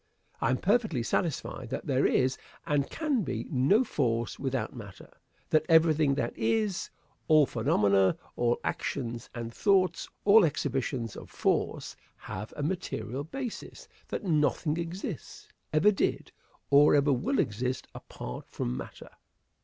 I am perfectly satisfied that there is, and can be, no force without matter; that everything that is all phenomena all actions and thoughts, all exhibitions of force, have a material basis that nothing exists, ever did, or ever will exist, apart from matter.